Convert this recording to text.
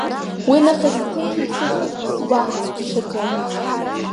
Уи нахыс иҭынчым сыцәа, сгәаҟуеит, ишаӡом.